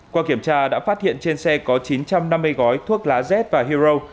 qua kiểm tra đã phát hiện trên xe có chín trăm năm mươi gói thuốc lá z và hero